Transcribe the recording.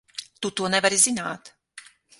Tu to nevari zināt!